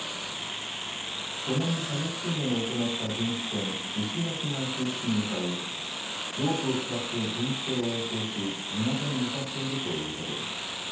共に射撃訓練を行った巡視船いしがきが救出に向かいロープを使って巡視艇をえい航し港に向かっているということです。